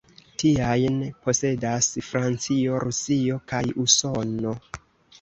Tiajn posedas Francio, Rusio kaj Usono.